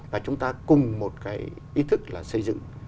và chúng ta cùng một cái ý thức là xây dựng